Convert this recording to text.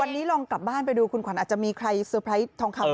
วันนี้ลองกลับบ้านไปดูคุณขวัญอาจจะมีใครเซอร์ไพรส์ทองคำ